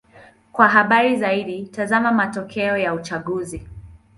Kwa habari zaidi: tazama matokeo ya uchaguzi.